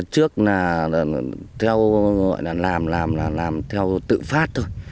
thực là theo làm làm là làm theo tự phát thôi